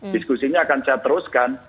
diskusinya akan saya teruskan